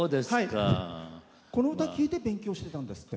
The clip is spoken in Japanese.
この歌を聴いて勉強してたんですって。